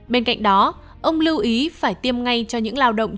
bên cạnh đó ông lưu ý phải tiêm ngay cho những lao động